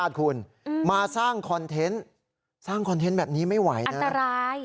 อันตราย